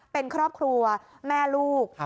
เป็นครอบครัวแม่ลูก